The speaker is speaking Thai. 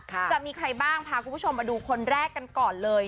จะมีใครบ้างพาคุณผู้ชมมาดูคนแรกกันก่อนเลย